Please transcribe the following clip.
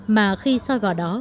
mà khi soi vào đó